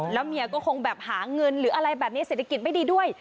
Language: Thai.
แล้วเมียก็คงแบบหาเงินหรืออะไรแบบนี้เศรษฐกิจไม่ดีด้วย